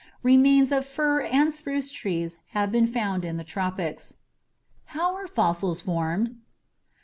Remains of fir and spruce trees have been found in the tropics. How are fossils formed?